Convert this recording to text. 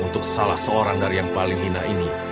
untuk salah seorang dari yang paling hina ini